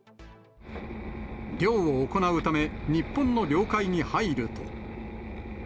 漁を行うため、日本の領海に入ると。